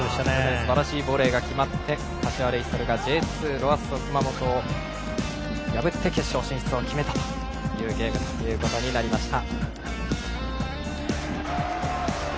すばらしいボレーが決まって柏レイソルがＪ２ロアッソ熊本を破って決勝進出を決めたゲームということになりました。